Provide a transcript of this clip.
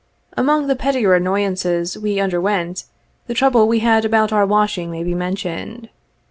Among the pettier annoyances we underwent, the trouble we had about our washing may be mentioned.